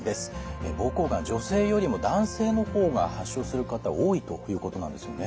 膀胱がん女性よりも男性の方が発症する方多いということなんですよね。